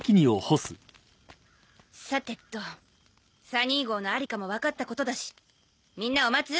さてとサニー号のありかも分かったことだしみんなを待つ？